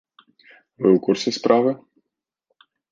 Вы ў курсе справы?